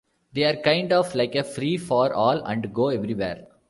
They're kind of like a free-for-all and go everywhere.